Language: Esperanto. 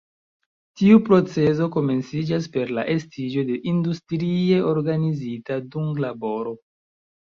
Tiu procezo komenciĝas per la estiĝo de industrie organizita dunglaboro.